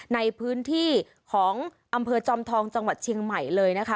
ในพื้นที่ของอำเภอจอมทองจังหวัดเชียงใหม่เลยนะคะ